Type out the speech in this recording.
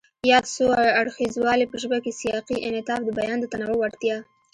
ياد څو اړخیزوالی په ژبه کې سیاقي انعطاف، د بیان د تنوع وړتیا،